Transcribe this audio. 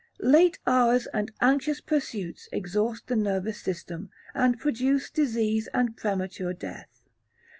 Late hours and anxious pursuits exhaust the nervous system, and produce disease and premature death.